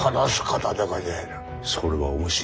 それは面白いな。